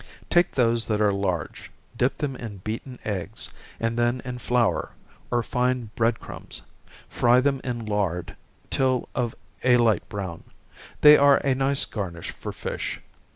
_ Take those that are large, dip them in beaten eggs, and then in flour, or fine bread crumbs fry them in lard, till of a light brown. They are a nice garnish for fish.